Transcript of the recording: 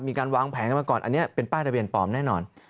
มีการวางแผนกันมาก่อนอันนี้เป็นป้ายทะเบียนปลอมแน่นอน